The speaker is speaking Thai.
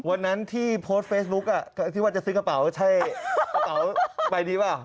วันนั้นที่โพสต์เฟซบุ๊คที่ว่าจะซื้อกระเป๋าใช่กระเป๋าใบนี้เปล่า